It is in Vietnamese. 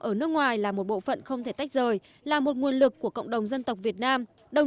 ở nước ngoài là một bộ phận không thể tách rời là một nguồn lực của cộng đồng dân tộc việt nam đồng